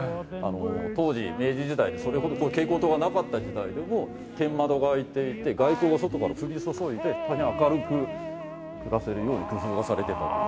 当時明治時代それほど蛍光灯がなかった時代でも天窓が開いていて外光が外から降り注いでたいへん明るく暮らせるように工夫がされてたという。